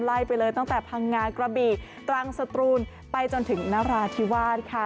ไปเลยตั้งแต่พังงากระบี่ตรังสตรูนไปจนถึงนราธิวาสค่ะ